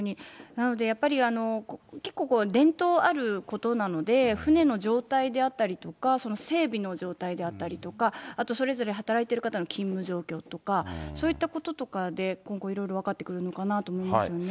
なのでやっぱり、結構、伝統あることなので、船の状態であったりとか、整備の状態であったりとか、あとそれぞれ働いてる方の勤務状況とか、そういったこととかで、今後、いろいろ分かってくるのかなと思いますよね。